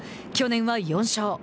去年は４勝。